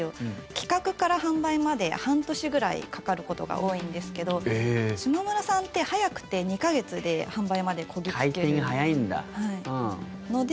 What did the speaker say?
企画から販売まで半年ぐらいかかることが多いんですけどしまむらさんって早くて２か月で販売までこぎ着けるので。